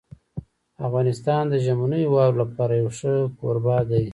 افغانستان د ژمنیو واورو لپاره یو ښه کوربه دی.